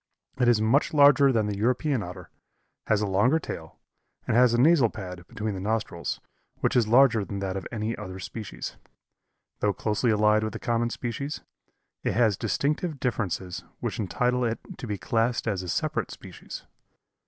It is much larger than the European Otter, has a longer tail, and has a nasal pad between the nostrils which is larger than that of any other species. Though closely allied to the common species, it has distinctive differences which entitle it to be classed as a separate species.